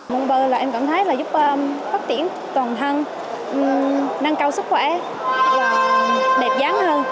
môn bơi là em cảm thấy là giúp phát triển toàn thân nâng cao sức khỏe và đẹp giáng hơn